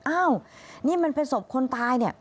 อ้าวนี่มันเป็นศพคนตายเนี่ย